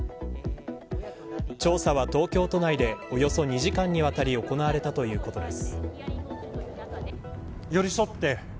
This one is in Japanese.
調査は東京都内でおよそ２時間にわたり行われたということです。